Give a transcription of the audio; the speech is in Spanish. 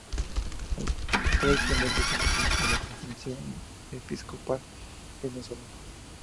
Actual Primer Vicepresidente de la Conferencia Episcopal Venezolana.